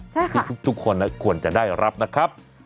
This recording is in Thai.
ที่ทุกคนควรจะได้รับนะครับ